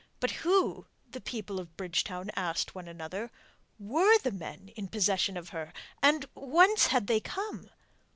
But who, the people of Bridgetown asked one another, were the men in possession of her, and whence had they come?